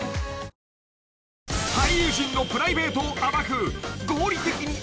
［俳優陣のプライベートを暴く］